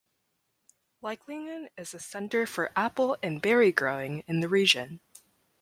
Leichlingen is a centre for apple and berry growing in the region.